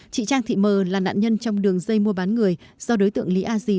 chị trang thị mờ là nạn nhân trong đường dây mua bán người do đối tượng lý a dì